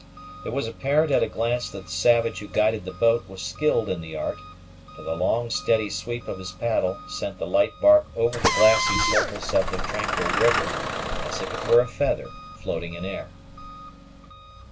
It was apparent at a glance that the savage who guided the boat was skilled in the art; for the long steady sweep of his paddle sent the light bark over the glassy surface of the tranquil river as if it were a feather floating in air.